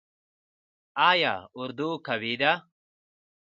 آیا اردو قوي ده؟